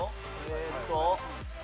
えーっと。